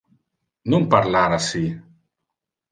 Non parlar assi.